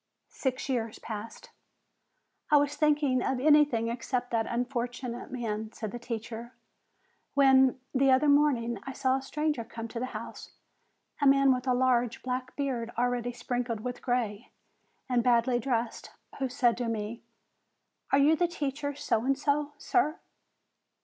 Six years passed. "I was thinking of anything except that unfortunate man/' said the teacher, "when, the other morning, I saw a stranger come to the house, a man with a large, black beard already sprinkled with gray, and badly dressed, who said to me : 'Are you the teacher So and So, sir?'